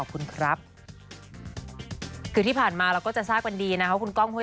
คือที่ผ่านมาเราก็จะทราบเป็นดีนะคะคุณก้อง